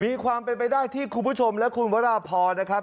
มีความเป็นไปได้ที่คุณผู้ชมและคุณวราพรนะครับ